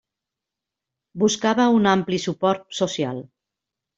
Buscava un ampli suport social.